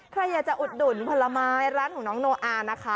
ใครอยากจะอดดุลพรหมายร้านของน้องโนอาร์นะคะ